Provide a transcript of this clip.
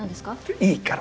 いいから。